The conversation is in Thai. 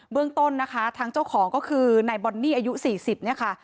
เรื่องต้นนะคะทางเจ้าของก็คือนายบอนนี่อายุ๔๐เนี่ยค่ะ